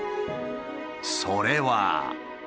それは。